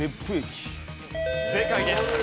正解です。